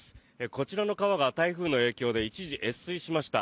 こちらの川が台風の影響で一時、越水しました。